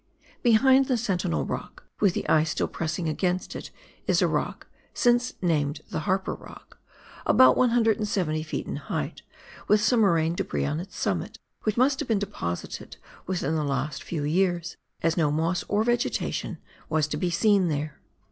Behind the Sentinel Rock, with the ice still pressing against it, is a rock — since named the " Harper " Rock — about 170 ft. in height, with some moraine debris on its summit, which must have been deposited within the last few years, as no moss or vegetation was to be seen there.